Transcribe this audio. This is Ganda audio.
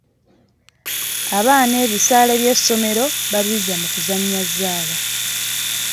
Abaana ebisale by'essomero babizza mu kuzannya zzaala.